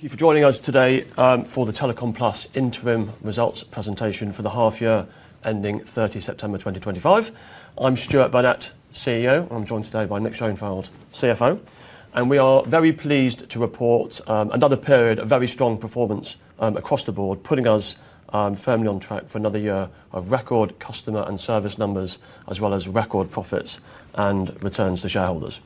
Thank you for joining us today for the Telecom Plus Interim Results Presentation for the half-year ending 30 September 2025. I'm Stuart Burnett, CEO, and I'm joined today by Nick Schoenfeld, CFO. We are very pleased to report another period of very strong performance across the board, putting us firmly on track for another year of record customer and service numbers, as well as record profits and returns to shareholders.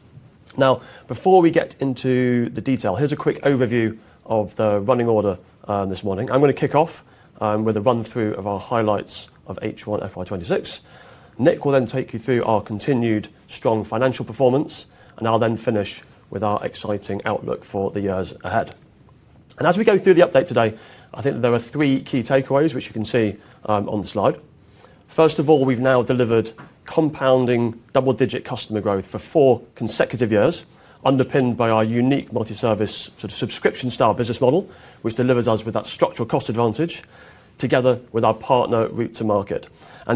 Now, before we get into the detail, here's a quick overview of the running order this morning. I'm going to kick off with a run-through of our highlights of H1FY26. Nick will then take you through our continued strong financial performance, and I'll then finish with our exciting outlook for the years ahead. As we go through the update today, I think there are three key takeaways, which you can see on the slide. First of all, we've now delivered compounding double-digit customer growth for four consecutive years, underpinned by our unique multi-service subscription-style business model, which delivers us with that structural cost advantage together with our partner route to market.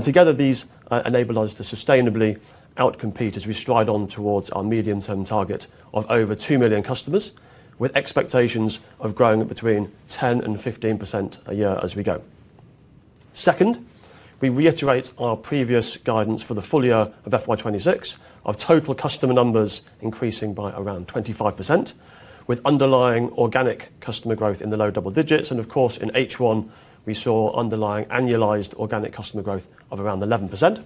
Together, these enable us to sustainably outcompete as we stride on towards our medium-term target of over 2 million customers, with expectations of growing between 10% and 15% a year as we go. Second, we reiterate our previous guidance for the full year of FY2026, of total customer numbers increasing by around 25%, with underlying organic customer growth in the low double digits. Of course, in H1, we saw underlying annualized organic customer growth of around 11%.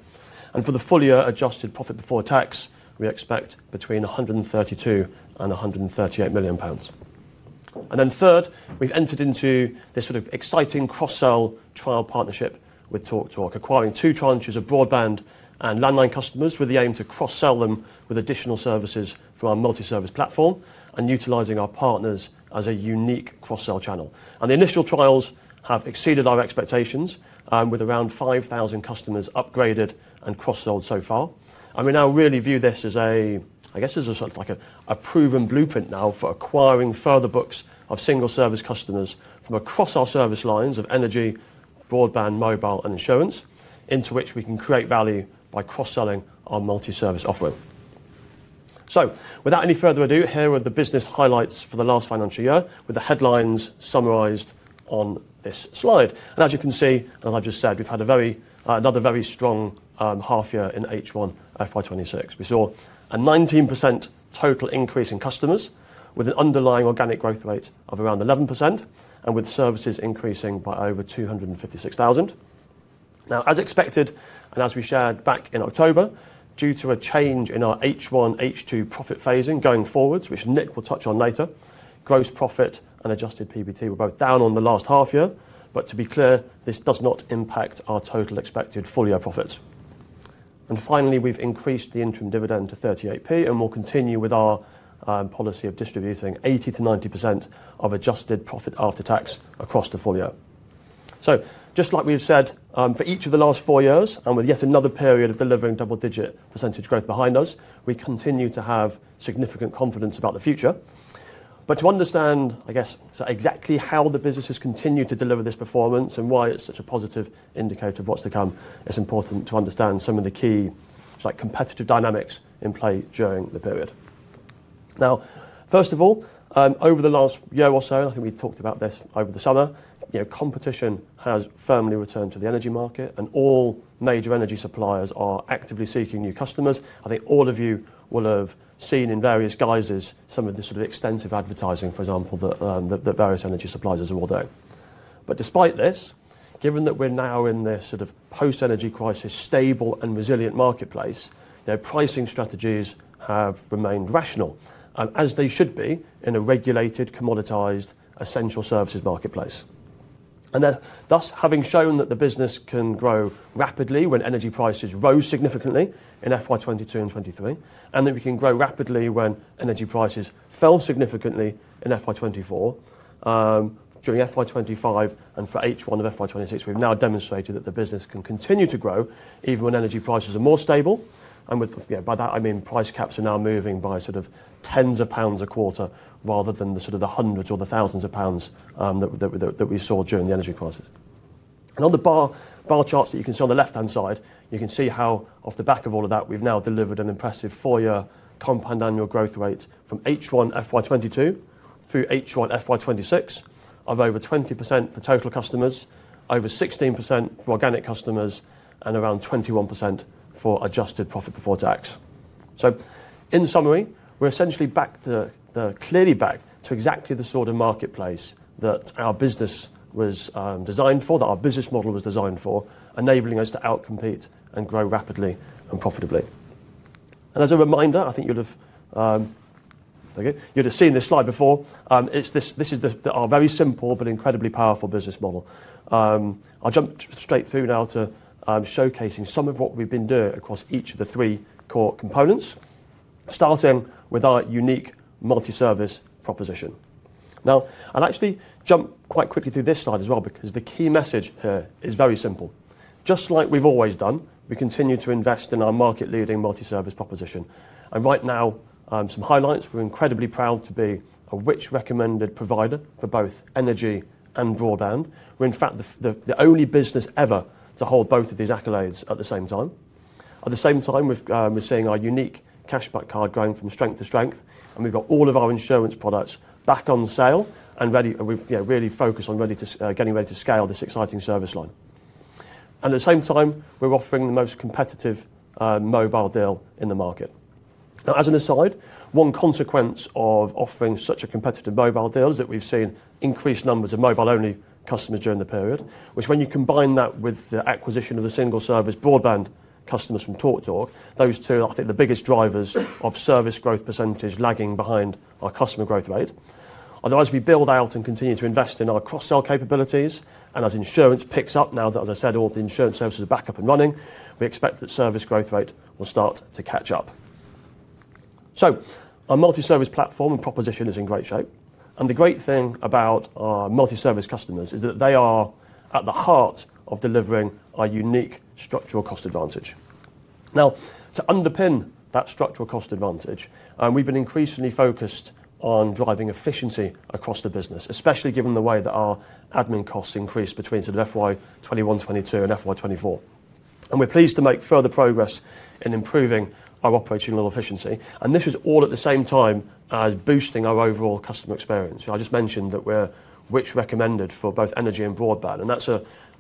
For the full year adjusted profit before tax, we expect between 132 million-138 million pounds. Third, we've entered into this sort of exciting cross-sell trial partnership with TalkTalk acquiring two tranches of broadband and landline customers with the aim to cross-sell them with additional services through our multi-service platform and utilizing our partners as a unique cross-sell channel. The initial trials have exceeded our expectations, with around 5,000 customers upgraded and cross-sold so far. We now really view this as, I guess, as a sort of like a proven blueprint now for acquiring further books of single-service customers from across our service lines of energy, broadband, mobile, and insurance, into which we can create value by cross-selling our multi-service offering. Without any further ado, here are the business highlights for the last financial year, with the headlines summarized on this slide. As you can see, as I've just said, we've had another very strong half-year in H1FY2026. We saw a 19% total increase in customers, with an underlying organic growth rate of around 11%, and with services increasing by over 256,000. Now, as expected, and as we shared back in October, due to a change in our H1, H2 profit phasing going forwards, which Nick will touch on later, gross profit and adjusted PBT were both down on the last half-year. To be clear, this does not impact our total expected full-year profits. Finally, we've increased the interim dividend to 0.38, and we'll continue with our policy of distributing 80%-90% of adjusted profit after tax across the full year. Just like we've said, for each of the last four years, and with yet another period of delivering double-digit % growth behind us, we continue to have significant confidence about the future. To understand, I guess, exactly how the business has continued to deliver this performance and why it's such a positive indicator of what's to come, it's important to understand some of the key competitive dynamics in play during the period. First of all, over the last year or so, and I think we talked about this over the summer, competition has firmly returned to the energy market, and all major energy suppliers are actively seeking new customers. I think all of you will have seen in various guises some of the sort of extensive advertising, for example, that various energy suppliers are all doing. Despite this, given that we're now in this sort of post-energy crisis, stable and resilient marketplace, pricing strategies have remained rational, as they should be in a regulated, commoditized, essential services marketplace. Thus, having shown that the business can grow rapidly when energy prices rose significantly in fiscal year 2022 and 2023, and that we can grow rapidly when energy prices fell significantly in fiscal year 2024, during fiscal year 2025 and for the first half of fiscal year 2026, we've now demonstrated that the business can continue to grow even when energy prices are more stable. By that, I mean price caps are now moving by sort of tens of GBP a quarter rather than the sort of the hundreds or the thousands of GBP that we saw during the energy crisis. On the bar charts that you can see on the left-hand side, you can see how, off the back of all of that, we've now delivered an impressive four-year compound annual growth rate from the first half of fiscal year 2022 through the first half of fiscal year 2026 of over 20% for total customers, over 16% for organic customers, and around 21% for adjusted profit before tax. In summary, we're essentially back to, clearly back to exactly the sort of marketplace that our business was designed for, that our business model was designed for, enabling us to outcompete and grow rapidly and profitably. As a reminder, I think you'll have seen this slide before. This is our very simple but incredibly powerful business model. I'll jump straight through now to showcasing some of what we've been doing across each of the three core components, starting with our unique multi-service proposition. Now, I'll actually jump quite quickly through this slide as well, because the key message here is very simple. Just like we've always done, we continue to invest in our market-leading multi-service proposition. Right now, some highlights. We're incredibly proud to be a rich recommended provider for both energy and broadband. We're, in fact, the only business ever to hold both of these accolades at the same time. At the same time, we're seeing our unique cashback card going from strength to strength, and we've got all of our insurance products back on sale and really focused on getting ready to scale this exciting service line. At the same time, we're offering the most competitive mobile deal in the market. Now, as an aside, one consequence of offering such a competitive mobile deal is that we've seen increased numbers of mobile-only customers during the period, which, when you combine that with the acquisition of the single-service broadband customers from TalkTalk those two, I think, are the biggest drivers of service growth percentage lagging behind our customer growth rate. Otherwise, we build out and continue to invest in our cross-sell capabilities, and as insurance picks up now that, as I said, all the insurance services are back up and running, we expect that service growth rate will start to catch up. Our multi-service platform and proposition is in great shape. The great thing about our multi-service customers is that they are at the heart of delivering our unique structural cost advantage. Now, to underpin that structural cost advantage, we've been increasingly focused on driving efficiency across the business, especially given the way that our admin costs increased between FY2021, 2022, and FY2024. We're pleased to make further progress in improving our operational efficiency. This is all at the same time as boosting our overall customer experience. I just mentioned that we're rich recommended for both energy and broadband.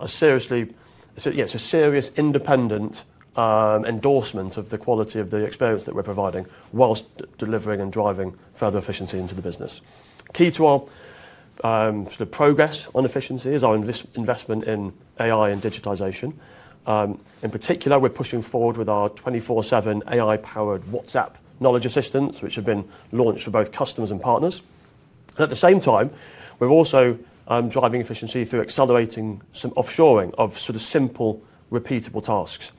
That is a serious independent endorsement of the quality of the experience that we are providing whilst delivering and driving further efficiency into the business. Key to our progress on efficiency is our investment in AI and digitization. In particular, we are pushing forward with our 24/7 AI-powered WhatsApp knowledge assistants, which have been launched for both customers and partners. At the same time, we are also driving efficiency through accelerating some offshoring of sort of simple, repeatable tasks.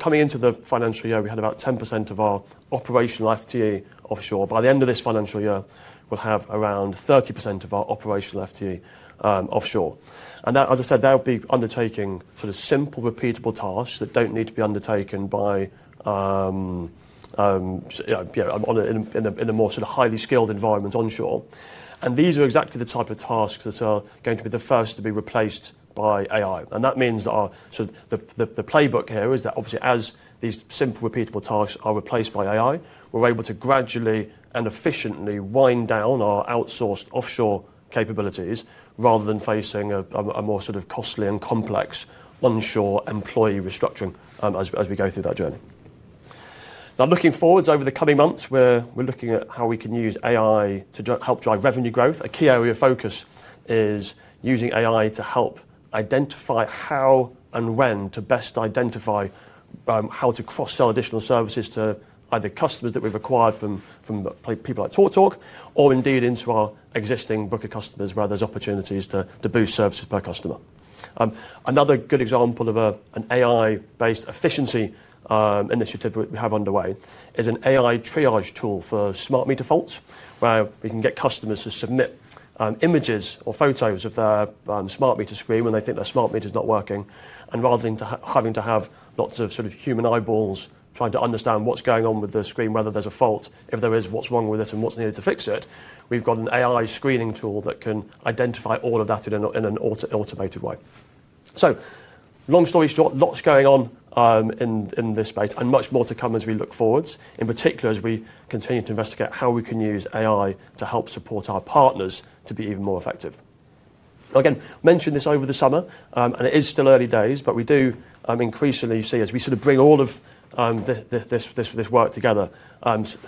Coming into the financial year, we had about 10% of our operational FTE offshore. By the end of this financial year, we will have around 30% of our operational FTE offshore. As I said, they will be undertaking sort of simple, repeatable tasks that do not need to be undertaken in a more highly skilled environment onshore. These are exactly the type of tasks that are going to be the first to be replaced by AI. That means that the playbook here is that, obviously, as these simple, repeatable tasks are replaced by AI, we're able to gradually and efficiently wind down our outsourced offshore capabilities rather than facing a more sort of costly and complex onshore employee restructuring as we go through that journey. Now, looking forward over the coming months, we're looking at how we can use AI to help drive revenue growth. A key area of focus is using AI to help identify how and when to best identify how to cross-sell additional services to either customers that we've acquired from people like TalkTalk or indeed into our existing book of customers where there's opportunities to boost services per customer. Another good example of an AI-based efficiency initiative we have underway is an AI triage tool for smart meter faults, where we can get customers to submit images or photos of their smart meter screen when they think their smart meter is not working. Rather than having to have lots of sort of human eyeballs trying to understand what's going on with the screen, whether there's a fault, if there is, what's wrong with it, and what's needed to fix it, we've got an AI screening tool that can identify all of that in an automated way. Long story short, lots going on in this space and much more to come as we look forwards, in particular as we continue to investigate how we can use AI to help support our partners to be even more effective. Mentioned this over the summer, and it is still early days, but we do increasingly see, as we sort of bring all of this work together,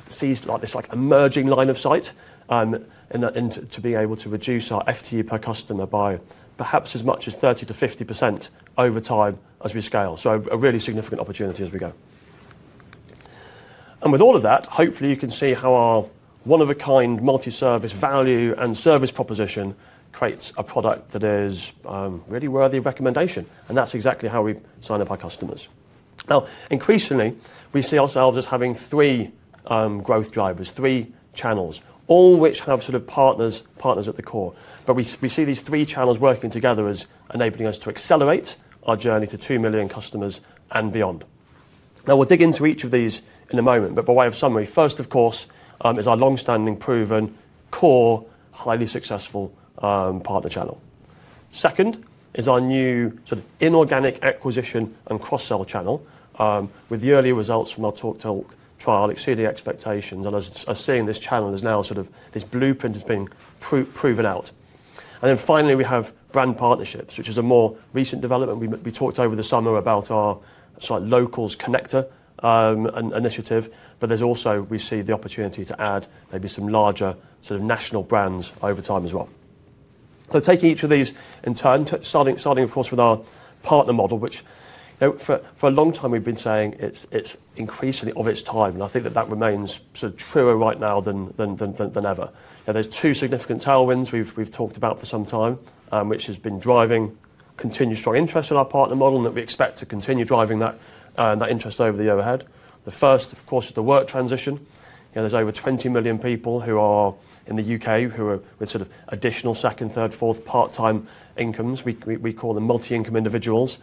see this emerging line of sight to be able to reduce our FTE per customer by perhaps as much as 30%-50% over time as we scale. A really significant opportunity as we go. With all of that, hopefully, you can see how our one-of-a-kind multi-service value and service proposition creates a product that is really worthy of recommendation. That's exactly how we sign up our customers. Now, increasingly, we see ourselves as having three growth drivers, three channels, all which have sort of partners at the core. We see these three channels working together as enabling us to accelerate our journey to 2 million customers and beyond. Now, we'll dig into each of these in a moment, but by way of summary, first, of course, is our long-standing, proven core, highly successful partner channel. Second is our new sort of inorganic acquisition and cross-sell channel, with the earlier results from our TalkTalk trial exceeding expectations. As seeing this channel is now sort of this blueprint has been proven out. Finally, we have brand partnerships, which is a more recent development. We talked over the summer about our sort of locals connector initiative, but also we see the opportunity to add maybe some larger sort of national brands over time as well. Taking each of these in turn, starting, of course, with our partner model, which for a long time we've been saying it's increasingly of its time. I think that that remains sort of truer right now than ever. are two significant tailwinds we have talked about for some time, which have been driving continued strong interest in our partner model and that we expect to continue driving that interest over the year ahead. The first, of course, is the work transition. There are over 20 million people who are in the U.K. who are with sort of additional second, third, fourth part-time incomes. We call them multi-income individuals.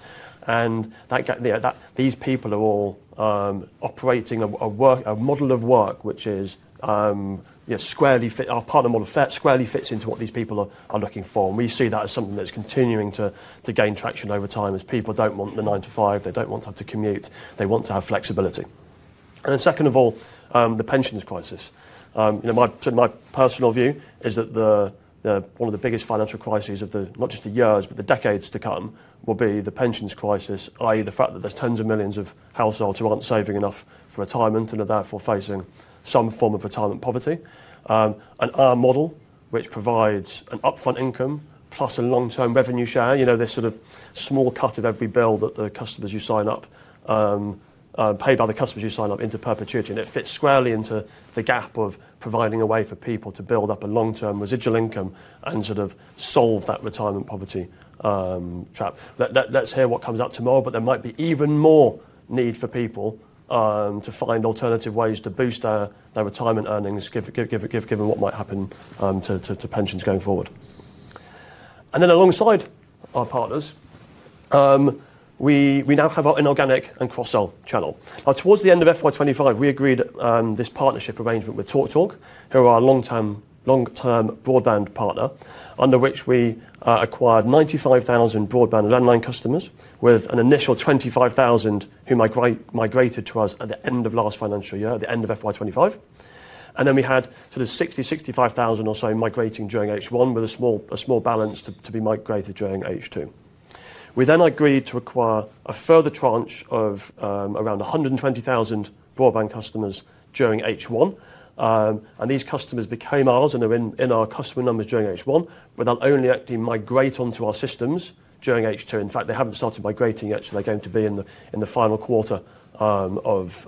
These people are all operating a model of work, which our partner model squarely fits into what these people are looking for. We see that as something that is continuing to gain traction over time as people do not want the 9 to 5, they do not want to have to commute, they want to have flexibility. Second of all, the pensions crisis. My personal view is that one of the biggest financial crises of not just the years, but the decades to come will be the pensions crisis, i.e., the fact that there are tens of millions of households who are not saving enough for retirement and are therefore facing some form of retirement poverty. Our model, which provides an upfront income plus a long-term revenue share, this sort of small cut of every bill that the customers you sign up, paid by the customers you sign up into perpetuity, fits squarely into the gap of providing a way for people to build up a long-term residual income and sort of solve that retirement poverty trap. Let's hear what comes out tomorrow, but there might be even more need for people to find alternative ways to boost their retirement earnings, given what might happen to pensions going forward. Alongside our partners, we now have our inorganic and cross-sell channel. Towards the end of FY2025, we agreed this partnership arrangement with TalkTalk, who are our long-term broadband partner, under which we acquired 95,000 broadband landline customers with an initial 25,000 who migrated to us at the end of the last financial year, at the end of FY2025. We had sort of 60,000-65,000 or so migrating during H1 with a small balance to be migrated during H2. We then agreed to acquire a further tranche of around 120,000 broadband customers during H1. These customers became ours and are in our customer numbers during H1, but they will only actually migrate onto our systems during H2. In fact, they have not started migrating yet, so they are going to be in the final quarter of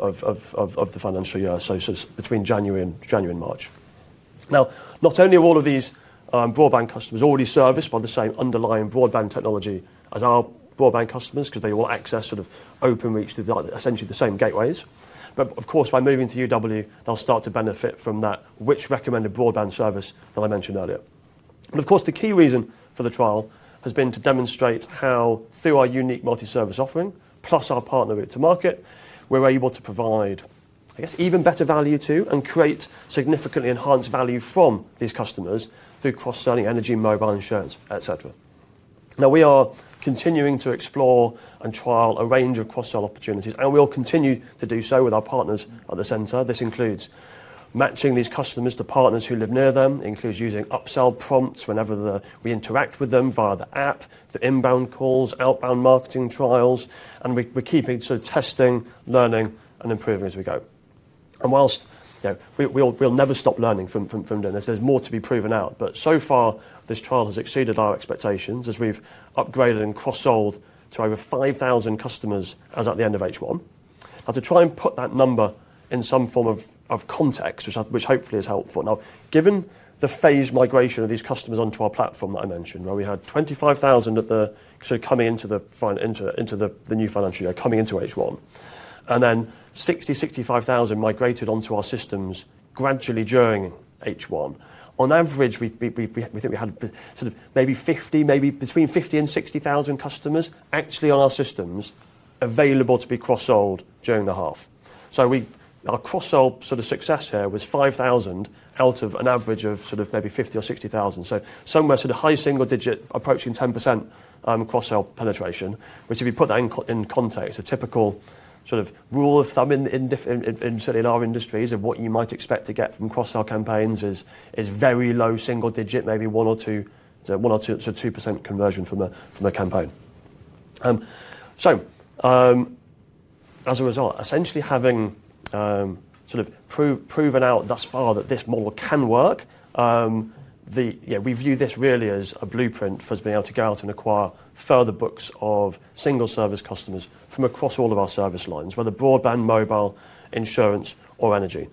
the financial year, so between January and March. Now, not only are all of these broadband customers already serviced by the same underlying broadband technology as our broadband customers because they all access sort of Openreach to essentially the same gateways, but of course, by moving to UW, they'll start to benefit from that rich recommended broadband service that I mentioned earlier. Of course, the key reason for the trial has been to demonstrate how, through our unique multi-service offering plus our partner route to market, we're able to provide, I guess, even better value to and create significantly enhanced value from these customers through cross-selling energy, mobile, insurance, etc. Now, we are continuing to explore and trial a range of cross-sell opportunities, and we'll continue to do so with our partners at the center. This includes matching these customers to partners who live near them, includes using upsell prompts whenever we interact with them via the app, the inbound calls, outbound marketing trials, and we're keeping sort of testing, learning, and improving as we go. Whilst we'll never stop learning from doing this, there's more to be proven out, but so far, this trial has exceeded our expectations as we've upgraded and cross-sold to over 5,000 customers as at the end of H1. Now, to try and put that number in some form of context, which hopefully is helpful. Now, given the phased migration of these customers onto our platform that I mentioned, where we had 25,000 sort of coming into the new financial year, coming into H1, and then 60,000-65,000 migrated onto our systems gradually during H1, on average, we think we had sort of maybe between 50,000 and 60,000 customers actually on our systems available to be cross-sold during the half. Our cross-sold sort of success here was 5,000 out of an average of sort of maybe 50,000 or 60,000. Somewhere sort of high single digit, approaching 10% cross-sell penetration, which if you put that in context, a typical sort of rule of thumb in our industries of what you might expect to get from cross-sell campaigns is very low single digit, maybe 1% or 2% conversion from a campaign. As a result, essentially having sort of proven out thus far that this model can work, we view this really as a blueprint for us being able to go out and acquire further books of single-service customers from across all of our service lines, whether broadband, mobile, insurance, or energy.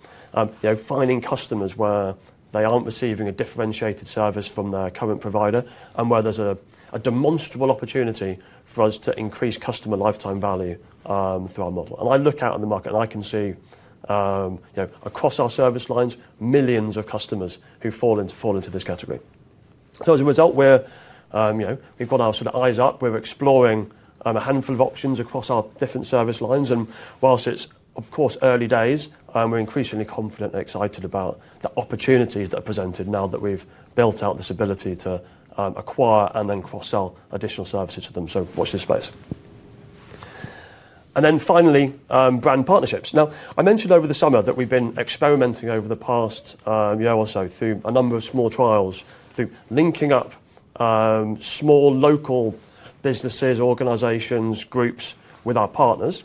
Finding customers where they aren't receiving a differentiated service from their current provider and where there's a demonstrable opportunity for us to increase customer lifetime value through our model. I look out in the market and I can see across our service lines, millions of customers who fall into this category. As a result, we've got our sort of eyes up. We're exploring a handful of options across our different service lines. Whilst it's, of course, early days, we're increasingly confident and excited about the opportunities that are presented now that we've built out this ability to acquire and then cross-sell additional services to them. Watch this space. Finally, brand partnerships. I mentioned over the summer that we've been experimenting over the past year or so through a number of small trials through linking up small local businesses, organizations, groups with our partners,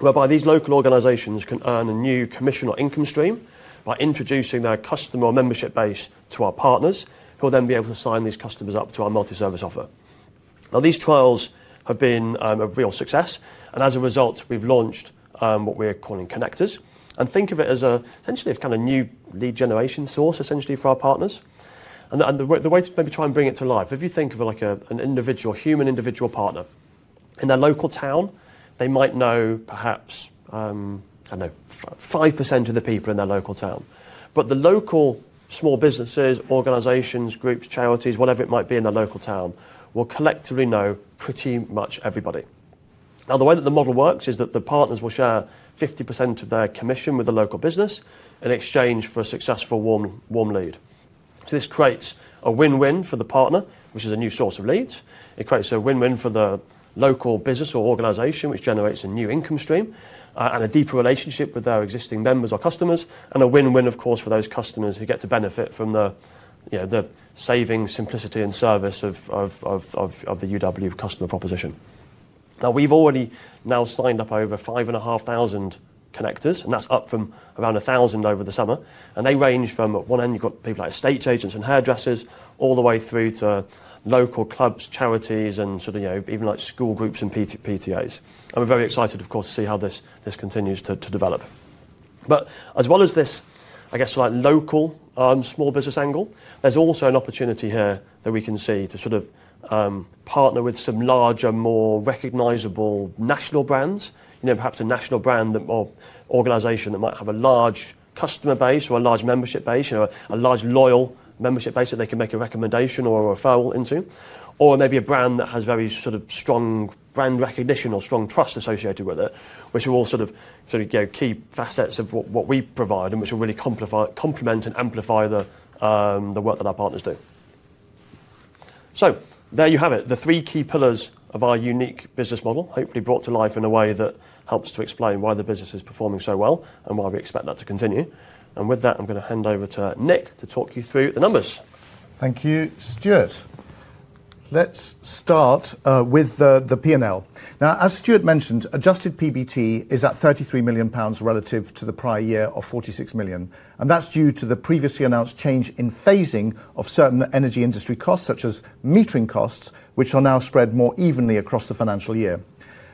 whereby these local organizations can earn a new commission or income stream by introducing their customer or membership base to our partners, who will then be able to sign these customers up to our multi-service offer. These trials have been a real success. As a result, we've launched what we're calling connectors. Think of it as essentially a kind of new lead generation source for our partners. The way to maybe try and bring it to life, if you think of an individual human individual partner in their local town, they might know perhaps, I don't know, 5% of the people in their local town. The local small businesses, organizations, groups, charities, whatever it might be in their local town, will collectively know pretty much everybody. Now, the way that the model works is that the partners will share 50% of their commission with the local business in exchange for a successful warm lead. This creates a win-win for the partner, which is a new source of leads. It creates a win-win for the local business or organization, which generates a new income stream and a deeper relationship with their existing members or customers, and a win-win, of course, for those customers who get to benefit from the saving, simplicity, and service of the UW customer proposition. Now, we've already now signed up over 5,500 connectors, and that's up from around 1,000 over the summer. They range from one end, you've got people like estate agents and hairdressers, all the way through to local clubs, charities, and even like school groups and PTAs. We are very excited, of course, to see how this continues to develop. As well as this, I guess, local small business angle, there's also an opportunity here that we can see to sort of partner with some larger, more recognizable national brands, perhaps a national brand or organization that might have a large customer base or a large membership base, a large loyal membership base that they can make a recommendation or a referral into, or maybe a brand that has very sort of strong brand recognition or strong trust associated with it, which are all sort of key facets of what we provide and which will really complement and amplify the work that our partners do. There you have it, the three key pillars of our unique business model, hopefully brought to life in a way that helps to explain why the business is performing so well and why we expect that to continue. With that, I'm going to hand over to Nick to talk you through the numbers. Thank you, Stuart. Let's start with the P&L. Now, as Stuart mentioned, adjusted PBT is at 33 million pounds relative to the prior year of 46 million. That is due to the previously announced change in phasing of certain energy industry costs, such as metering costs, which are now spread more evenly across the financial year.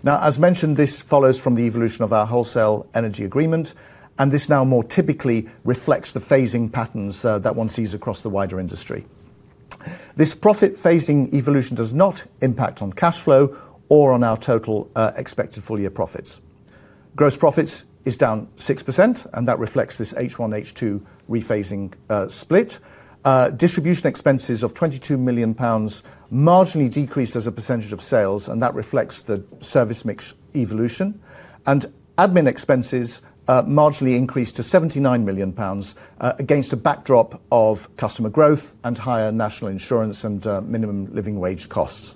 Now, as mentioned, this follows from the evolution of our wholesale energy agreement, and this now more typically reflects the phasing patterns that one sees across the wider industry. This profit phasing evolution does not impact on cash flow or on our total expected full year profits. Gross profits is down 6%, and that reflects this H1, H2 rephasing split. Distribution expenses of 22 million pounds marginally decreased as a percentage of sales, and that reflects the service mix evolution. Administrative expenses marginally increased to 79 million pounds against a backdrop of customer growth and higher national insurance and minimum living wage costs.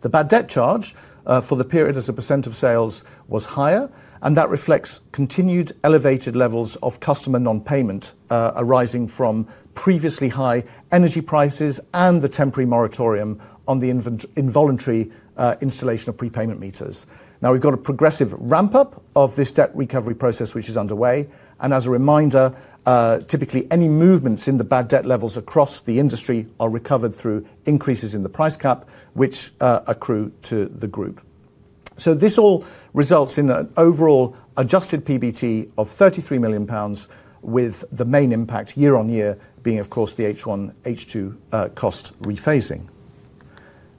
The bad debt charge for the period as a % of sales was higher, and that reflects continued elevated levels of customer non-payment arising from previously high energy prices and the temporary moratorium on the involuntary installation of prepayment meters. We have a progressive ramp-up of this debt recovery process, which is underway. As a reminder, typically any movements in the bad debt levels across the industry are recovered through increases in the price cap, which accrue to the group. This all results in an overall adjusted PBT of 33 million pounds, with the main impact year on year being, of course, the H1, H2 cost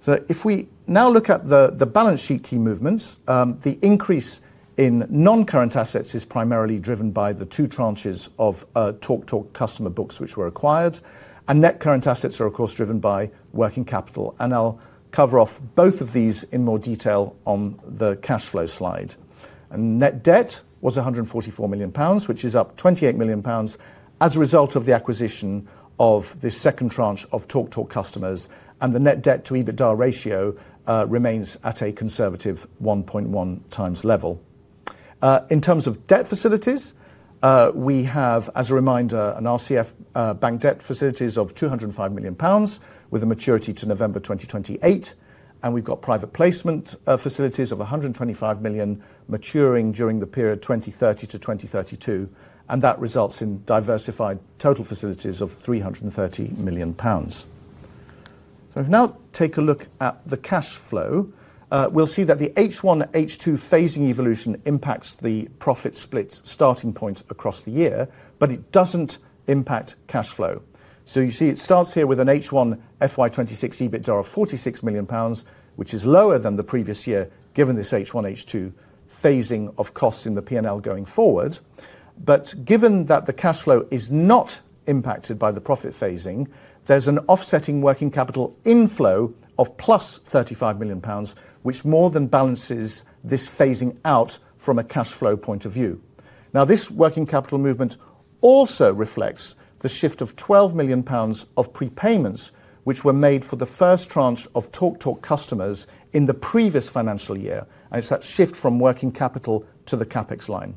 rephasing. If we now look at the balance sheet key movements, the increase in non-current assets is primarily driven by the two tranches of TalkTalk customer books, which were acquired, and net current assets are, of course, driven by working capital. I'll cover off both of these in more detail on the cash flow slide. Net debt was 144 million pounds, which is up 28 million pounds as a result of the acquisition of this second tranche of TalkTalk customers, and the net debt to EBITDA ratio remains at a conservative 1.1 times level. In terms of debt facilities, we have, as a reminder, an RCF bank debt facilities of 205 million pounds with a maturity to November 2028, and we've got private placement facilities of 125 million maturing during the period 2030 to 2032, and that results in diversified total facilities of 330 million pounds. If we now take a look at the cash flow, we'll see that the H1, H2 phasing evolution impacts the profit split starting point across the year, but it doesn't impact cash flow. You see it starts here with an H1 FY2026 EBITDA of 46 million pounds, which is lower than the previous year given this H1, H2 phasing of costs in the P&L going forward. Given that the cash flow is not impacted by the profit phasing, there's an offsetting working capital inflow of 35 million pounds, which more than balances this phasing out from a cash flow point of view. This working capital movement also reflects the shift of 12 million pounds of prepayments, which were made for the first tranche of TalkTalk customers in the previous financial year, and it's that shift from working capital to the CapEx line.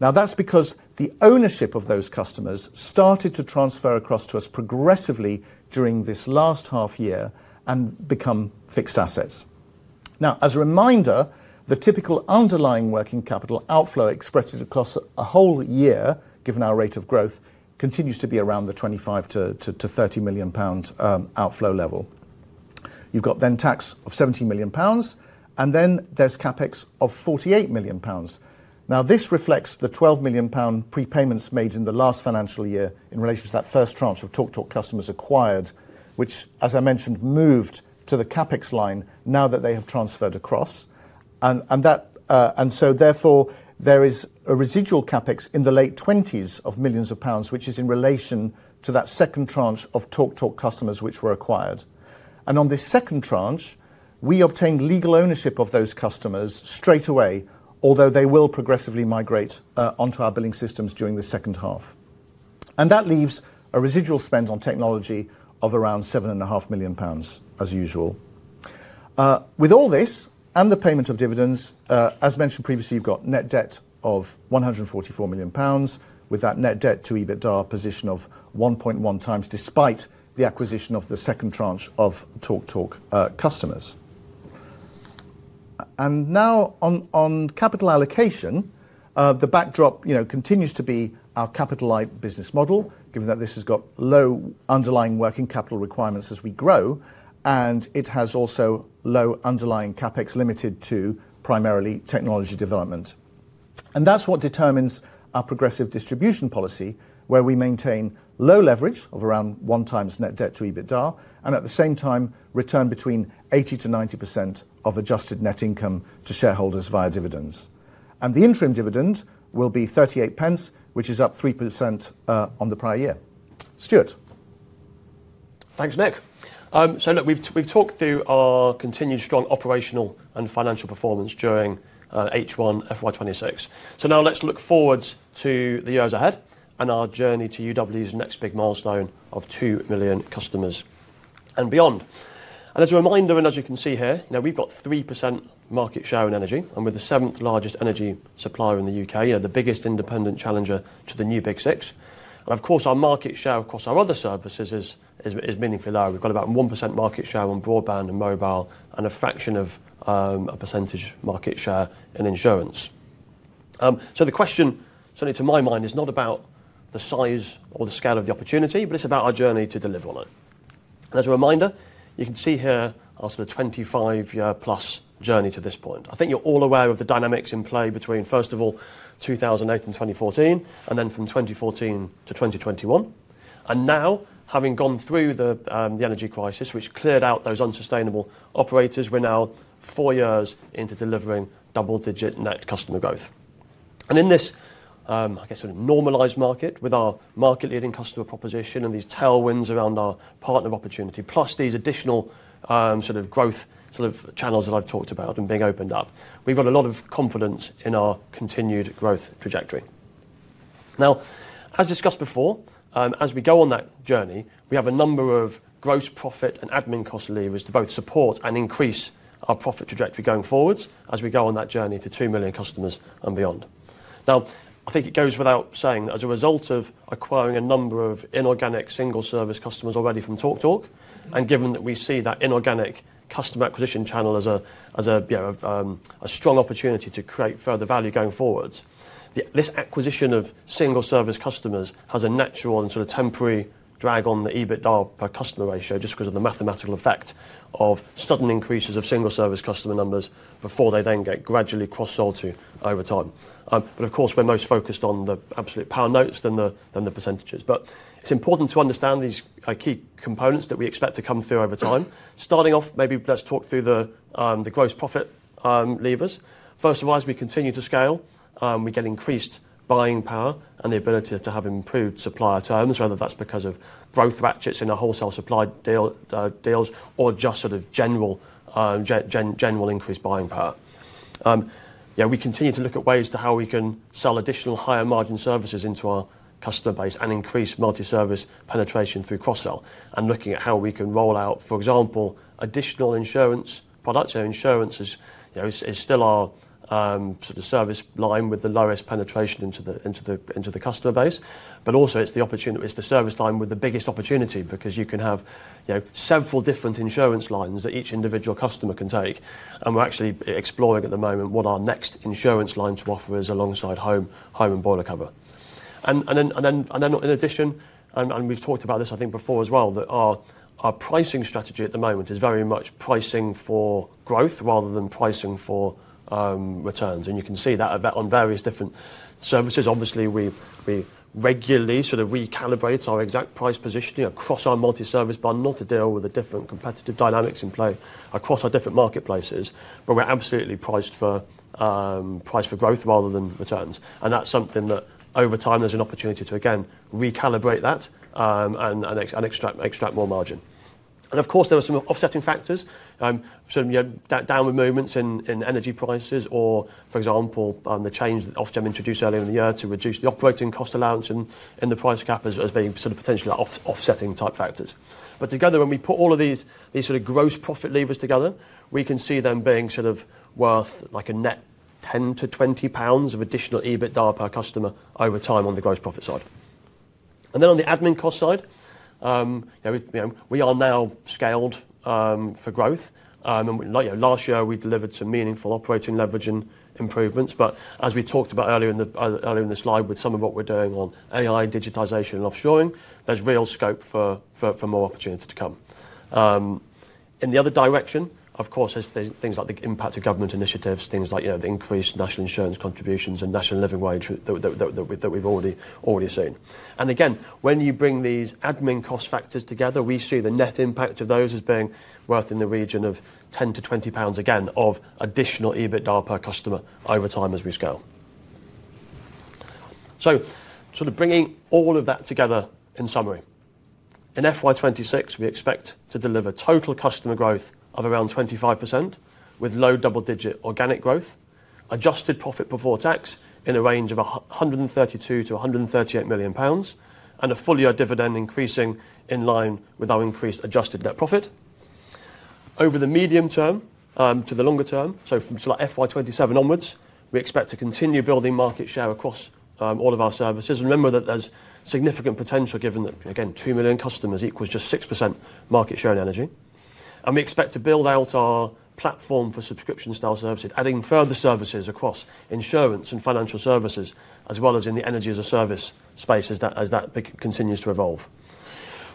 Now, that's because the ownership of those customers started to transfer across to us progressively during this last half year and become fixed assets. Now, as a reminder, the typical underlying working capital outflow expressed across a whole year, given our rate of growth, continues to be around the 25 million-30 million pound outflow level. You've got then tax of 17 million pounds, and then there's CapEx of 48 million pounds. This reflects the 12 million pound prepayments made in the last financial year in relation to that first tranche of TalkTalk customers acquired, which, as I mentioned, moved to the CapEx line now that they have transferred across. Therefore, there is a residual CapEx in the late 20s of millions of pounds, which is in relation to that second tranche of TalkTalk customers which were acquired. On this second tranche, we obtained legal ownership of those customers straight away, although they will progressively migrate onto our billing systems during the second half. That leaves a residual spend on technology of around 7.5 million pounds as usual. With all this and the payment of dividends, as mentioned previously, you have net debt of 144 million pounds with that net debt to EBITDA position of 1.1 times despite the acquisition of the second tranche of TalkTalk customers. Now, on capital allocation, the backdrop continues to be our capital-light business model, given that this has got low underlying working capital requirements as we grow, and it has also low underlying CapEx limited to primarily technology development. That is what determines our progressive distribution policy, where we maintain low leverage of around one times net debt to EBITDA, and at the same time, return between 80%-90% of adjusted net income to shareholders via dividends. The interim dividend will be 0.38, which is up 3% on the prior year. Stuart. Thanks, Nick. Look, we've talked through our continued strong operational and financial performance during H1 FY26. Now let's look forward to the years ahead and our journey to UW's next big milestone of 2 million customers and beyond. As a reminder, and as you can see here, we've got 3% market share in energy, and we're the seventh largest energy supplier in the U.K., the biggest independent challenger to the new Big Six. Of course, our market share across our other services is meaningfully low. We've got about 1% market share on broadband and mobile and a fraction of a percentage market share in insurance. The question certainly to my mind is not about the size or the scale of the opportunity, but it's about our journey to deliver on it. As a reminder, you can see here our sort of 25-plus journey to this point. I think you're all aware of the dynamics in play between, first of all, 2008 and 2014, and then from 2014 to 2021. Now, having gone through the energy crisis, which cleared out those unsustainable operators, we're now four years into delivering double-digit net customer growth. In this, I guess, sort of normalized market with our market-leading customer proposition and these tailwinds around our partner opportunity, plus these additional sort of growth channels that I've talked about and being opened up, we've got a lot of confidence in our continued growth trajectory. Now, as discussed before, as we go on that journey, we have a number of gross profit and admin cost levers to both support and increase our profit trajectory going forwards as we go on that journey to 2 million customers and beyond. I think it goes without saying that as a result of acquiring a number of inorganic single service customers already from TalkTalk, and given that we see that inorganic customer acquisition channel as a strong opportunity to create further value going forwards, this acquisition of single service customers has a natural and sort of temporary drag on the EBITDA per customer ratio just because of the mathematical effect of sudden increases of single service customer numbers before they then get gradually cross-sold to over time. Of course, we're most focused on the absolute power notes than the percentages. It's important to understand these key components that we expect to come through over time. Starting off, maybe let's talk through the gross profit levers. First of all, as we continue to scale, we get increased buying power and the ability to have improved supply terms, whether that's because of growth ratchets in our wholesale supply deals or just sort of general increased buying power. We continue to look at ways to how we can sell additional higher margin services into our customer base and increase multi-service penetration through cross-sell and looking at how we can roll out, for example, additional insurance products. Insurance is still our sort of service line with the lowest penetration into the customer base, but also it's the service line with the biggest opportunity because you can have several different insurance lines that each individual customer can take. We're actually exploring at the moment what our next insurance line to offer is alongside home and boiler cover. In addition, and we've talked about this, I think, before as well, our pricing strategy at the moment is very much pricing for growth rather than pricing for returns. You can see that on various different services. Obviously, we regularly sort of recalibrate our exact price position across our multi-service bundle to deal with the different competitive dynamics in play across our different marketplaces, but we're absolutely priced for growth rather than returns. That's something that over time there's an opportunity to, again, recalibrate that and extract more margin. Of course, there are some offsetting factors, some downward movements in energy prices or, for example, the change that Ofgem introduced earlier in the year to reduce the operating cost allowance in the price cap as being sort of potentially offsetting type factors. Together, when we put all of these sort of gross profit levers together, we can see them being sort of worth like a net 10-20 pounds of additional EBITDA per customer over time on the gross profit side. On the admin cost side, we are now scaled for growth. Last year, we delivered some meaningful operating leveraging improvements, but as we talked about earlier in the slide with some of what we're doing on AI digitization and offshoring, there's real scope for more opportunity to come. In the other direction, of course, there's things like the impact of government initiatives, things like the increased national insurance contributions and national living wage that we've already seen. Again, when you bring these admin cost factors together, we see the net impact of those as being worth in the region of 10-20 pounds again of additional EBITDA per customer over time as we scale. Bringing all of that together in summary, in FY2026, we expect to deliver total customer growth of around 25% with low double-digit organic growth, adjusted profit before tax in a range of 132 million-138 million pounds, and a full-year dividend increasing in line with our increased adjusted net profit. Over the medium term to the longer term, from FY2027 onwards, we expect to continue building market share across all of our services. Remember that there's significant potential given that, again, 2 million customers equals just 6% market share in energy. We expect to build out our platform for subscription-style services, adding further services across insurance and financial services, as well as in the energy as a service space as that continues to evolve.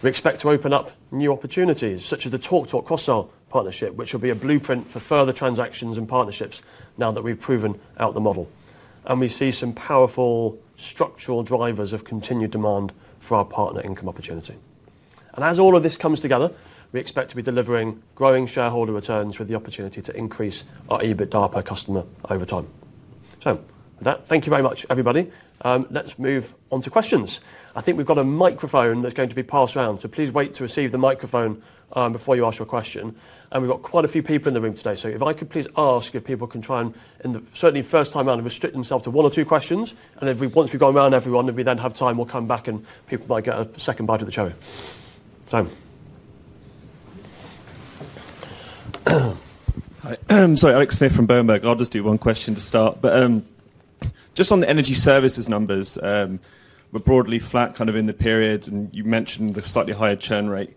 We expect to open up new opportunities such as the TalkTalk cross-sell partnership, which will be a blueprint for further transactions and partnerships now that we've proven out the model. We see some powerful structural drivers of continued demand for our partner income opportunity. As all of this comes together, we expect to be delivering growing shareholder returns with the opportunity to increase our EBITDA per customer over time. Thank you very much, everybody. Let's move on to questions. I think we've got a microphone that's going to be passed around, so please wait to receive the microphone before you ask your question. We've got quite a few people in the room today, so if I could please ask if people can try and, certainly first time around, restrict themselves to one or two questions. Once we've gone around everyone and we then have time, we'll come back and people might get a second bite of the cherry. Hi. Sorry, Eric Smith from Berenberg. I'll just do one question to start. Just on the energy services numbers, we're broadly flat kind of in the period, and you mentioned the slightly higher churn rate.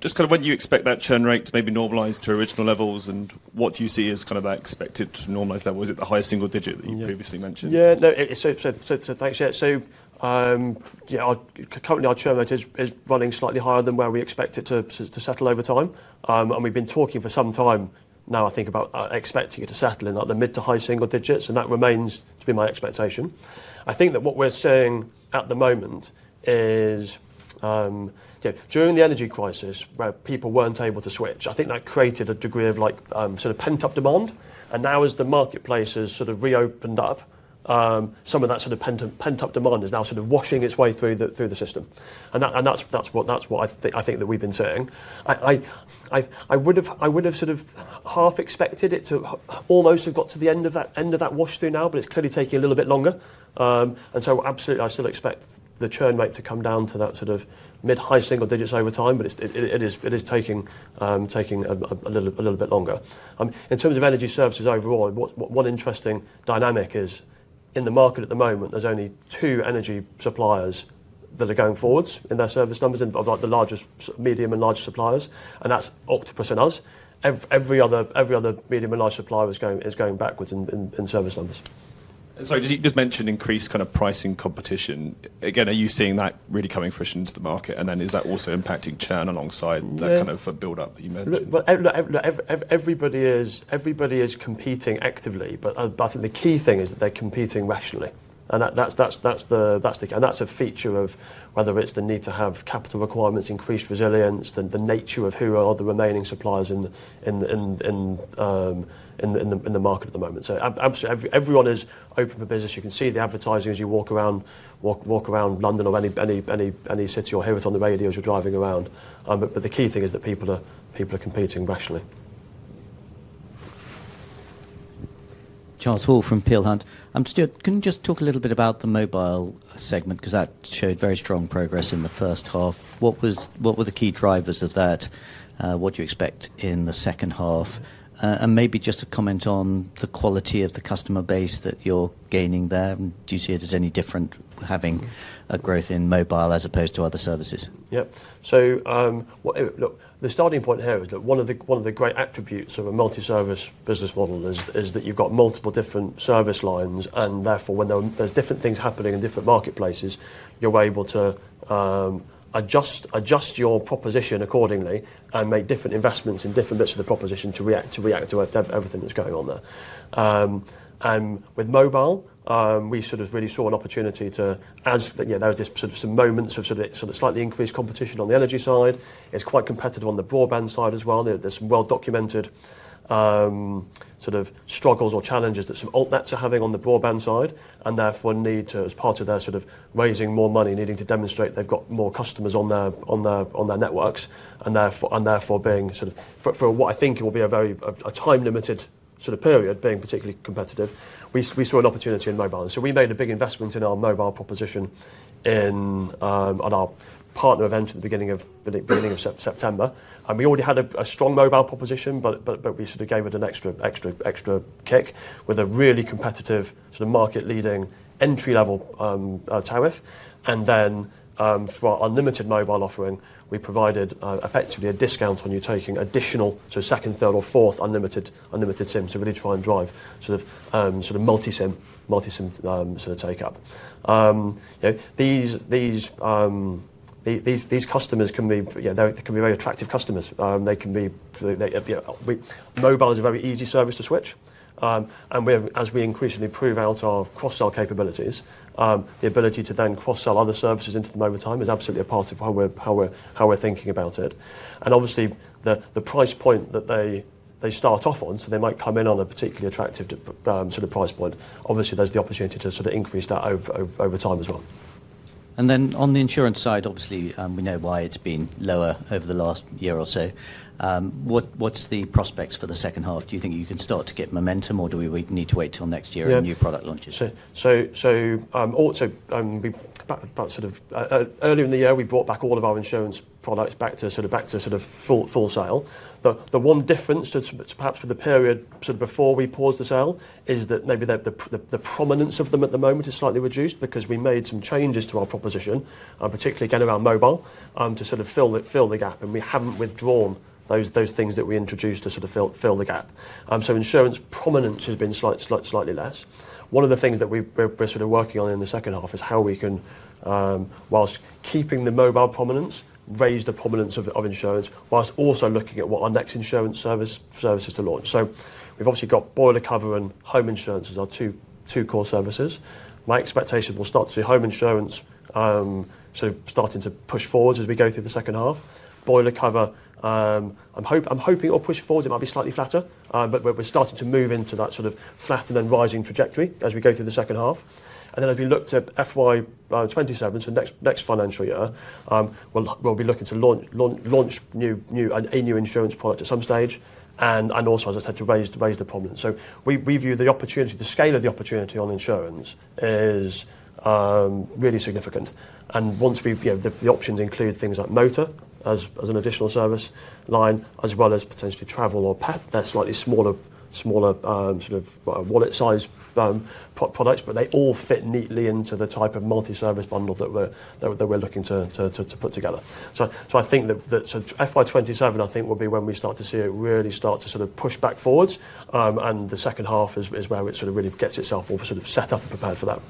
Just kind of when do you expect that churn rate to maybe normalize to original levels, and what do you see as kind of that expected normalized level? Is it the highest single digit that you previously mentioned? Yeah, no, thanks. Yeah, currently our churn rate is running slightly higher than where we expect it to settle over time. We've been talking for some time now, I think, about expecting it to settle in the mid to high single digits, and that remains to be my expectation. I think that what we're seeing at the moment is during the energy crisis where people weren't able to switch, I think that created a degree of sort of pent-up demand. Now as the marketplace has sort of reopened up, some of that sort of pent-up demand is now sort of washing its way through the system. That's what I think that we've been seeing. I would have sort of half expected it to almost have got to the end of that wash through now, but it's clearly taking a little bit longer. Absolutely, I still expect the churn rate to come down to that sort of mid- to high single digits over time, but it is taking a little bit longer. In terms of energy services overall, one interesting dynamic is in the market at the moment, there are only two energy suppliers that are going forwards in their service numbers of the largest medium and large suppliers, and that's Octopus and us. Every other medium and large supplier is going backwards in service numbers. Sorry, just mentioned increased kind of pricing competition. Again, are you seeing that really coming fresh into the market? Is that also impacting churn alongside that kind of build-up you mentioned? Everybody is competing actively, but I think the key thing is that they're competing rationally. That is the key. That is a feature of whether it's the need to have capital requirements, increased resilience, the nature of who are the remaining suppliers in the market at the moment. Absolutely, everyone is open for business. You can see the advertising as you walk around London or any city or hear it on the radio as you're driving around. The key thing is that people are competing rationally. Charles Hall from Peel Hunt, Stuart, can you just talk a little bit about the mobile segment because that showed very strong progress in the first half? What were the key drivers of that? What do you expect in the second half? Maybe just a comment on the quality of the customer base that you're gaining there. Do you see it as any different having a growth in mobile as opposed to other services? Yeah. Look, the starting point here is that one of the great attributes of a multi-service business model is that you've got multiple different service lines, and therefore, when there are different things happening in different marketplaces, you're able to adjust your proposition accordingly and make different investments in different bits of the proposition to react to everything that's going on there. With mobile, we sort of really saw an opportunity to, as there were sort of some moments of slightly increased competition on the energy side. It's quite competitive on the broadband side as well. are some well-documented sort of struggles or challenges that some AltNets are having on the broadband side and therefore need to, as part of their sort of raising more money, needing to demonstrate they have more customers on their networks and therefore being sort of, for what I think will be a very time-limited sort of period, being particularly competitive. We saw an opportunity in mobile. We made a big investment in our mobile proposition on our partner event at the beginning of September. We already had a strong mobile proposition, but we sort of gave it an extra kick with a really competitive sort of market-leading entry-level tariff. For our unlimited mobile offering, we provided effectively a discount on you taking additional sort of second, third, or fourth unlimited SIMs to really try and drive sort of multi-SIM sort of take-up. These customers can be very attractive customers. Mobile is a very easy service to switch. As we increasingly prove out our cross-sell capabilities, the ability to then cross-sell other services into them over time is absolutely a part of how we are thinking about it. Obviously, the price point that they start off on, so they might come in on a particularly attractive sort of price point, there is the opportunity to increase that over time as well. On the insurance side, obviously, we know why it's been lower over the last year or so. What's the prospects for the second half? Do you think you can start to get momentum, or do we need to wait till next year and new product launches? Earlier in the year, we brought back all of our insurance products back to full sale. The one difference, perhaps for the period before we paused the sale, is that maybe the prominence of them at the moment is slightly reduced because we made some changes to our proposition, particularly again around mobile, to fill the gap. We have not withdrawn those things that we introduced to fill the gap. Insurance prominence has been slightly less. One of the things that we are working on in the second half is how we can, whilst keeping the mobile prominence, raise the prominence of insurance, whilst also looking at what our next insurance service is to launch. We have obviously got boiler cover and home insurance as our two core services. My expectation will start to see home insurance sort of starting to push forwards as we go through the second half. Boiler cover, I'm hoping it will push forward. It might be slightly flatter, but we're starting to move into that sort of flat and then rising trajectory as we go through the second half. As we look to FY2027, so next financial year, we'll be looking to launch a new insurance product at some stage and also, as I said, to raise the prominence. We view the opportunity, the scale of the opportunity on insurance is really significant. Once the options include things like motor as an additional service line, as well as potentially travel or pet, they're slightly smaller sort of wallet-sized products, but they all fit neatly into the type of multi-service bundle that we're looking to put together. I think that FY27, I think, will be when we start to see it really start to sort of push back forwards. The second half is where it sort of really gets itself sort of set up and prepared for that.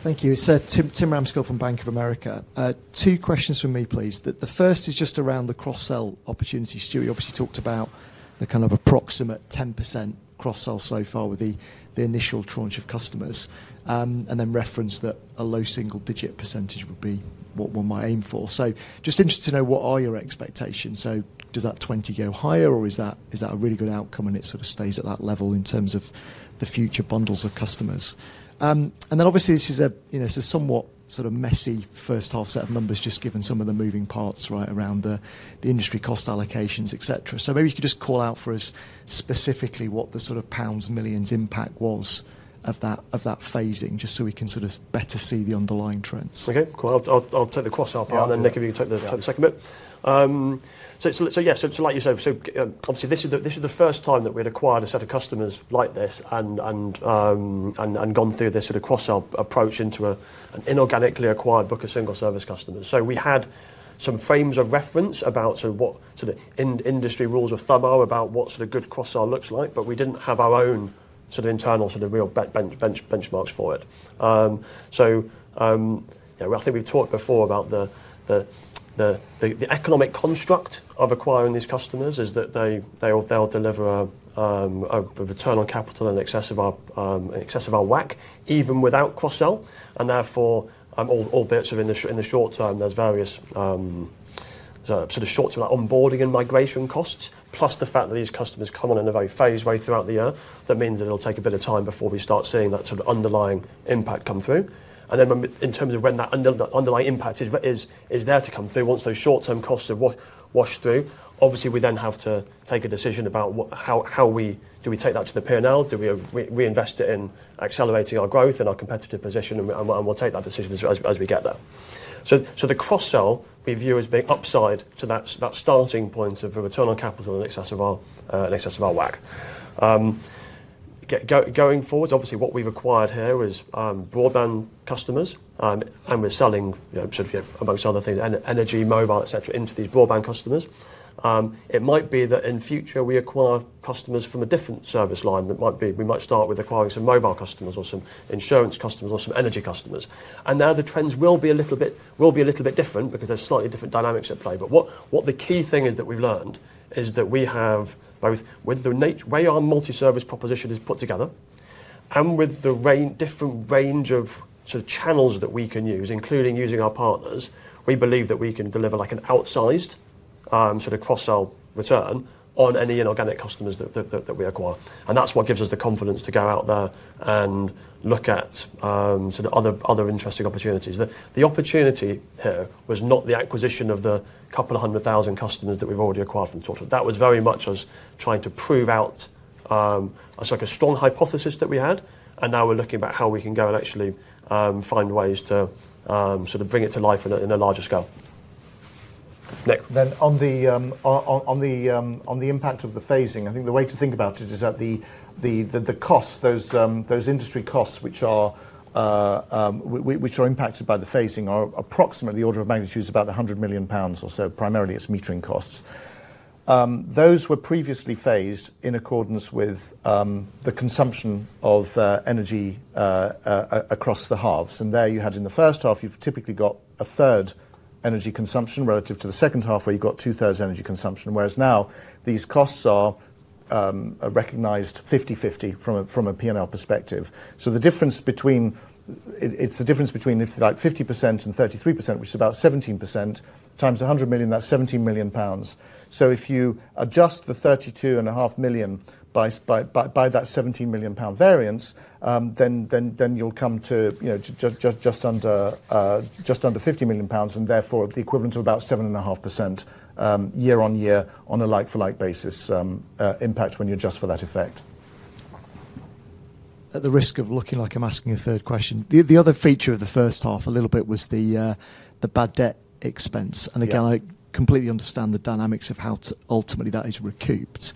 Thank you. Tim Ramsgill from Bank of America. Two questions from me, please. The first is just around the cross-sell opportunity. Stuart obviously talked about the kind of approximate 10% cross-sell so far with the initial tranche of customers and then referenced that a low single digit percentage would be what one might aim for. Just interested to know what are your expectations. Does that 20 go higher, or is that a really good outcome and it sort of stays at that level in terms of the future bundles of customers? This is a somewhat sort of messy first half set of numbers just given some of the moving parts right around the industry cost allocations, etc. Maybe you could just call out for us specifically what the sort of pounds millions impact was of that phasing just so we can sort of better see the underlying trends. Okay. Cool. I'll take the cross-sell part, and then Nick, if you can take the second bit. Like you said, obviously, this is the first time that we had acquired a set of customers like this and gone through this sort of cross-sell approach into an inorganically acquired book of single service customers. We had some frames of reference about sort of industry rules of thumb about what sort of good cross-sell looks like, but we did not have our own sort of internal sort of real benchmarks for it. I think we've talked before about the economic construct of acquiring these customers is that they'll deliver a return on capital in excess of our WACC even without cross-sell. Therefore, albeit in the short term, there's various sort of short-term onboarding and migration costs, plus the fact that these customers come on in a very phased way throughout the year. That means that it'll take a bit of time before we start seeing that sort of underlying impact come through. In terms of when that underlying impact is there to come through, once those short-term costs have washed through, obviously, we then have to take a decision about how do we take that to the P&L? Do we reinvest it in accelerating our growth and our competitive position? We'll take that decision as we get there. The cross-sell we view as being upside to that starting point of the return on capital in excess of our WACC. Going forward, obviously, what we've acquired here is broadband customers, and we're selling sort of, amongst other things, energy, mobile, etc., into these broadband customers. It might be that in future we acquire customers from a different service line that might be we might start with acquiring some mobile customers or some insurance customers or some energy customers. The trends will be a little bit different because there's slightly different dynamics at play. What the key thing is that we've learned is that we have both with the way our multi-service proposition is put together and with the different range of sort of channels that we can use, including using our partners, we believe that we can deliver like an outsized sort of cross-sell return on any inorganic customers that we acquire. That is what gives us the confidence to go out there and look at sort of other interesting opportunities. The opportunity here was not the acquisition of the couple of hundred thousand customers that we have already acquired from Total. That was very much us trying to prove out a strong hypothesis that we had, and now we are looking about how we can go and actually find ways to sort of bring it to life in a larger scale. Nick. On the impact of the phasing, I think the way to think about it is that the costs, those industry costs which are impacted by the phasing, are approximately the order of magnitude of about 100 million pounds or so, primarily it is metering costs. Those were previously phased in accordance with the consumption of energy across the halves. You had in the first half, you've typically got a third energy consumption relative to the second half where you've got two-thirds energy consumption, whereas now these costs are recognized 50/50 from a P&L perspective. The difference between it's the difference between 50% and 33%, which is about 17% times 100 million, that's 17 million pounds. If you adjust the 32.5 million by that 17 million pound variance, then you'll come to just under 50 million pounds and therefore the equivalent of about 7.5% year on year on a like-for-like basis impact when you adjust for that effect. At the risk of looking like I'm asking a third question, the other feature of the first half a little bit was the bad debt expense. I completely understand the dynamics of how ultimately that is recouped,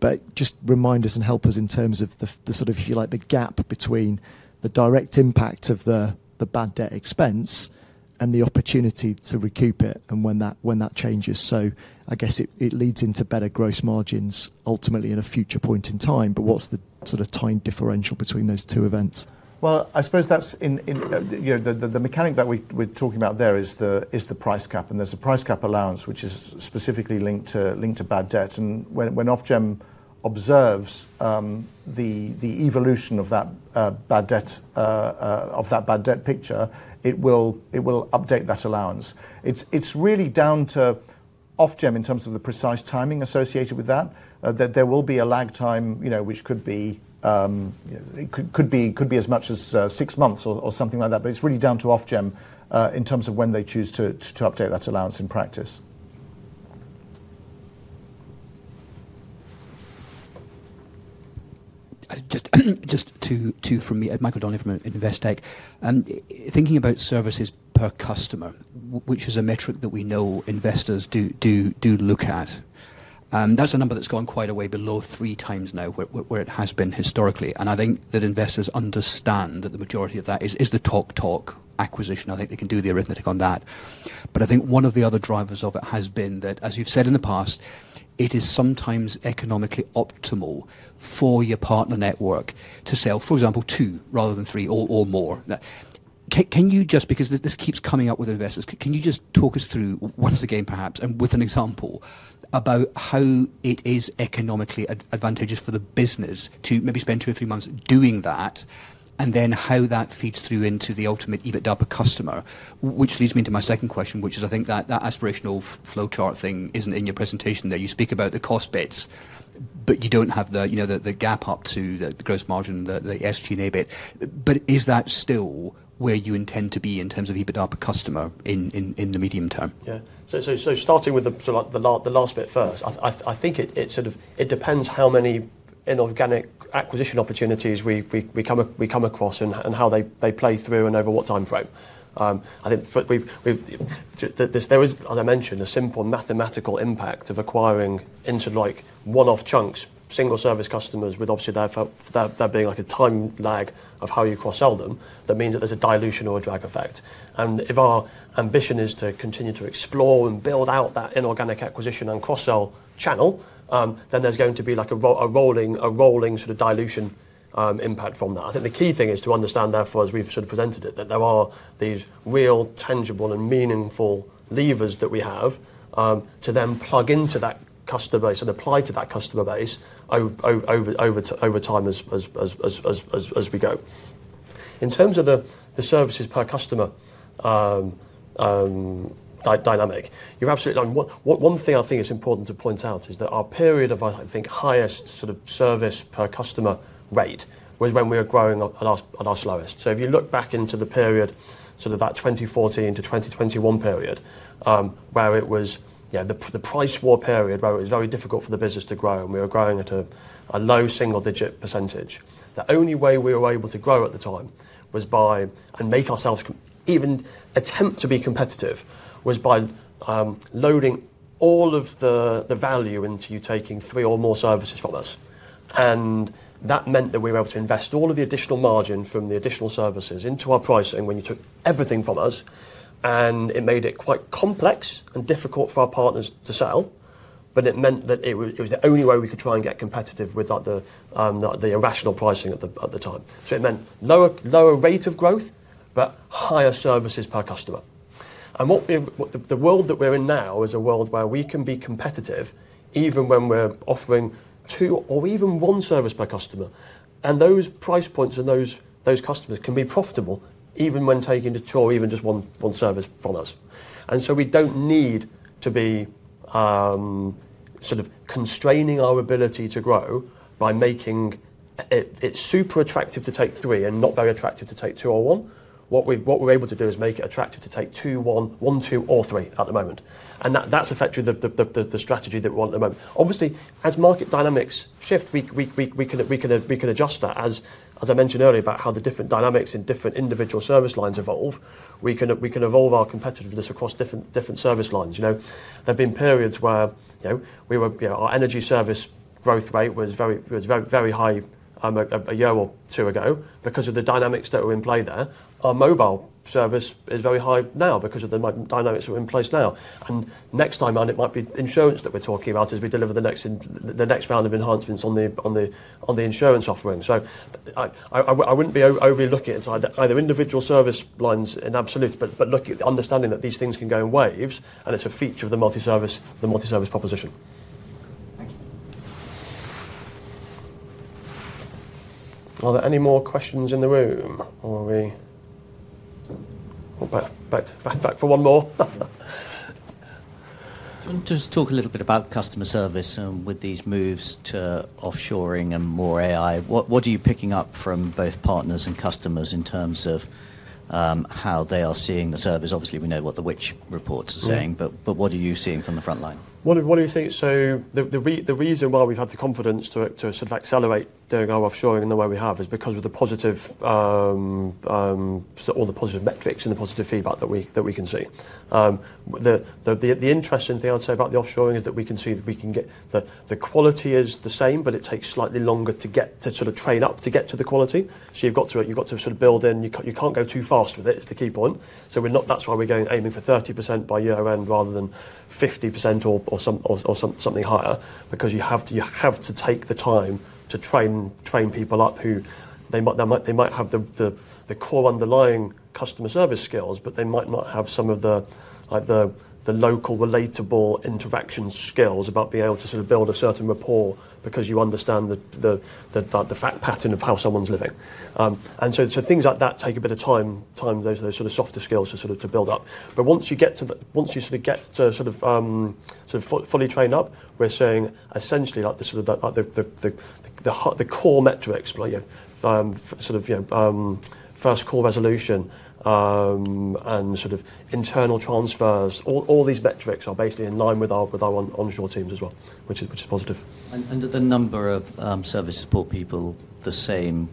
but just remind us and help us in terms of the sort of, if you like, the gap between the direct impact of the bad debt expense and the opportunity to recoup it and when that changes. I guess it leads into better gross margins ultimately at a future point in time, but what's the sort of time differential between those two events? I suppose that's the mechanic that we're talking about there is the price cap, and there's a price cap allowance which is specifically linked to bad debt. When Ofgem observes the evolution of that bad debt picture, it will update that allowance. It's really down to Ofgem in terms of the precise timing associated with that. There will be a lag time which could be as much as six months or something like that, but it's really down to Ofgem in terms of when they choose to update that allowance in practice. Just two from me, Michael Donnelly from Investec. Thinking about services per customer, which is a metric that we know investors do look at, that's a number that's gone quite a way below three times now where it has been historically. I think that investors understand that the majority of that is the TalkTalk acquisition. I think they can do the arithmetic on that. I think one of the other drivers of it has been that, as you've said in the past, it is sometimes economically optimal for your partner network to sell, for example, two rather than three or more. Can you just, because this keeps coming up with investors, can you just talk us through once again, perhaps, and with an example about how it is economically advantageous for the business to maybe spend two or three months doing that and then how that feeds through into the ultimate EBITDA per customer, which leads me to my second question, which is I think that aspirational flow chart thing is not in your presentation there. You speak about the cost bits, but you do not have the gap up to the gross margin, the SGNA bit. Is that still where you intend to be in terms of EBITDA per customer in the medium term? Yeah. Starting with the last bit first, I think it depends how many inorganic acquisition opportunities we come across and how they play through and over what time frame. I think there is, as I mentioned, a simple mathematical impact of acquiring into one-off chunks, single service customers with obviously there being like a time lag of how you cross-sell them that means that there is a dilution or a drag effect. If our ambition is to continue to explore and build out that inorganic acquisition and cross-sell channel, then there is going to be like a rolling sort of dilution impact from that. I think the key thing is to understand, therefore, as we have sort of presented it, that there are these real tangible and meaningful levers that we have to then plug into that customer base and apply to that customer base over time as we go. In terms of the services per customer dynamic, you're absolutely right. One thing I think it's important to point out is that our period of, I think, highest sort of service per customer rate was when we were growing at our slowest. If you look back into the period, sort of that 2014 to 2021 period, where it was the price war period, where it was very difficult for the business to grow and we were growing at a low single digit %, the only way we were able to grow at the time and make ourselves even attempt to be competitive was by loading all of the value into you taking three or more services from us. That meant that we were able to invest all of the additional margin from the additional services into our pricing when you took everything from us. It made it quite complex and difficult for our partners to sell, but it meant that it was the only way we could try and get competitive with the irrational pricing at the time. It meant lower rate of growth, but higher services per customer. The world that we're in now is a world where we can be competitive even when we're offering two or even one service per customer. Those price points and those customers can be profitable even when taking two or even just one service from us. We do not need to be sort of constraining our ability to grow by making it super attractive to take three and not very attractive to take two or one. What we're able to do is make it attractive to take one, two, or three at the moment. That is effectively the strategy that we want at the moment. Obviously, as market dynamics shift, we can adjust that. As I mentioned earlier about how the different dynamics in different individual service lines evolve, we can evolve our competitiveness across different service lines. There have been periods where our energy service growth rate was very high a year or two ago because of the dynamics that were in play there. Our mobile service is very high now because of the dynamics that are in place now. Next time around, it might be insurance that we are talking about as we deliver the next round of enhancements on the insurance offering. I would not be overly looking at either individual service lines in absolute, but understanding that these things can go in waves and it is a feature of the multi-service proposition. Are there any more questions in the room? Back for one more. Just talk a little bit about customer service with these moves to offshoring and more AI. What are you picking up from both partners and customers in terms of how they are seeing the service? Obviously, we know what the Which reports are saying, but what are you seeing from the front line? What are you seeing? The reason why we've had the confidence to sort of accelerate doing our offshoring in the way we have is because of the positive or the positive metrics and the positive feedback that we can see. The interesting thing I'd say about the offshoring is that we can see that we can get the quality is the same, but it takes slightly longer to get to sort of train up to get to the quality. You've got to sort of build in. You can't go too fast with it. It's the key point. That's why we're aiming for 30% by year-end rather than 50% or something higher because you have to take the time to train people up who might have the core underlying customer service skills, but they might not have some of the local relatable interaction skills about being able to sort of build a certain rapport because you understand the fact pattern of how someone's living. Things like that take a bit of time, those sort of softer skills to sort of build up. Once you get to sort of get sort of fully trained up, we're seeing essentially the core metrics, sort of first call resolution and sort of internal transfers. All these metrics are basically in line with our onshore teams as well, which is positive. Are the number of service support people the same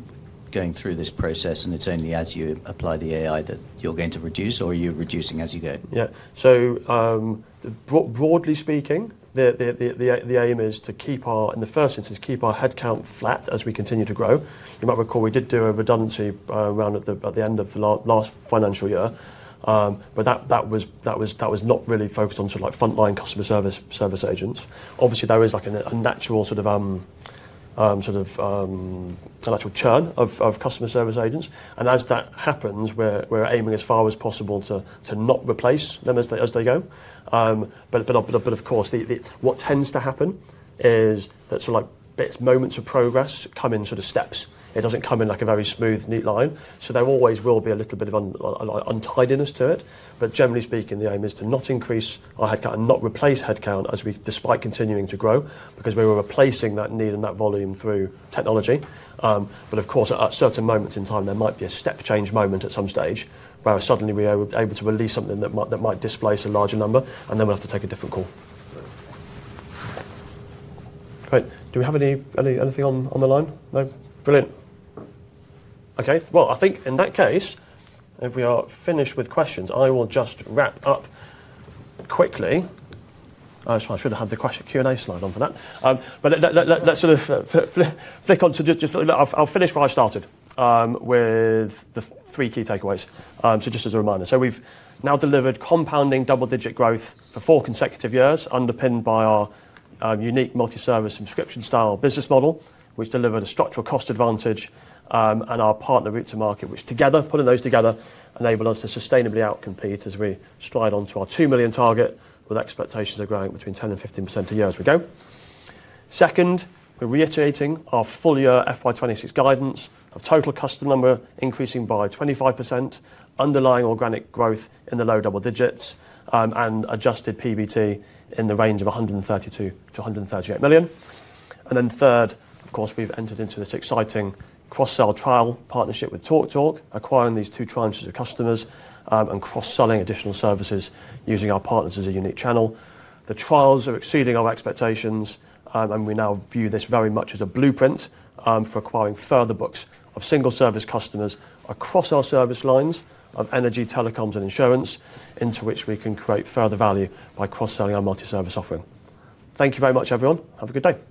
going through this process? It's only as you apply the AI that you're going to reduce, or are you reducing as you go? Yeah. Broadly speaking, the aim is to keep our, in the first instance, keep our headcount flat as we continue to grow. You might recall we did do a redundancy round at the end of the last financial year, but that was not really focused on sort of frontline customer service agents. Obviously, there is a natural sort of natural churn of customer service agents. As that happens, we're aiming as far as possible to not replace them as they go. Of course, what tends to happen is that sort of moments of progress come in sort of steps. It does not come in like a very smooth, neat line. There always will be a little bit of untidiness to it. Generally speaking, the aim is to not increase our headcount and not replace headcount despite continuing to grow because we are replacing that need and that volume through technology. Of course, at certain moments in time, there might be a step change moment at some stage where suddenly we are able to release something that might displace a larger number, and then we will have to take a different call. Great. Do we have anything on the line? No? Brilliant. I think in that case, if we are finished with questions, I will just wrap up quickly. I should have had the Q&A slide on for that. Let's sort of flick on to just a little bit. I will finish where I started with the three key takeaways. Just as a reminder, we have now delivered compounding double-digit growth for four consecutive years underpinned by our unique multi-service subscription style business model, which delivered a structural cost advantage, and our partner route to market, which together, pulling those together, enabled us to sustainably outcompete as we stride on to our 2 million target with expectations of growing between 10% and 15% a year as we go. Second, we are reiterating our full year FY2026 guidance of total customer number increasing by 25%, underlying organic growth in the low double digits, and adjusted PBT in the range of 132 million-138 million. Third, of course, we have entered into this exciting cross-sell trial partnership with TalkTalk, acquiring these two trimesters of customers and cross-selling additional services using our partners as a unique channel. The trials are exceeding our expectations, and we now view this very much as a blueprint for acquiring further books of single service customers across our service lines of energy, telecoms, and insurance, into which we can create further value by cross-selling our multi-service offering. Thank you very much, everyone. Have a good day.